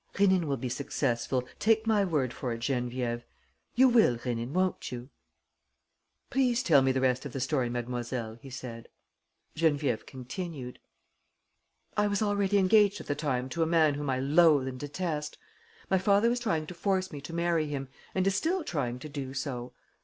"Rénine will be successful, take my word for it, Geneviève. You will, Rénine, won't you?" "Please tell me the rest of the story, mademoiselle," he said. Geneviève continued: "I was already engaged at the time to a man whom I loathe and detest. My father was trying to force me to marry him and is still trying to do so.